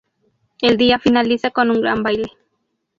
El día finaliza con un gran baile.